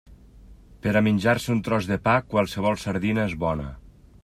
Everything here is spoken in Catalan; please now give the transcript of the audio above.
Per a menjar-se un tros de pa, qualsevol sardina és bona.